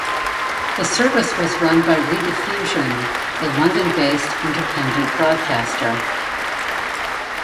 The service was run by Rediffusion, a London-based independent broadcaster.